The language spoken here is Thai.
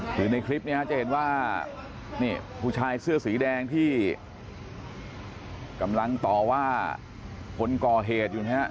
คือในคลิปนี้จะเห็นว่านี่ผู้ชายเสื้อสีแดงที่กำลังต่อว่าคนก่อเหตุอยู่นะฮะ